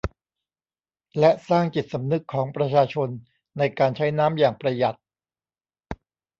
และสร้างจิตสำนึกของประชาชนในการใช้น้ำอย่างประหยัด